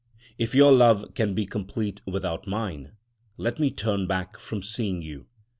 If your love can be complete without mine, let me turn back from seeing you.